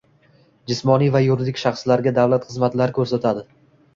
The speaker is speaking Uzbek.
jismoniy va yuridik shaxslarga davlat xizmatlari ko’rsatadi.